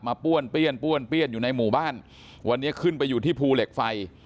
ป้วนเปี้ยนป้วนเปี้ยนอยู่ในหมู่บ้านวันนี้ขึ้นไปอยู่ที่ภูเหล็กไฟ